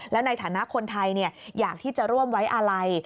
แล้วในฐานะคนไทยอยากที่จะร่วมไว้อาลัย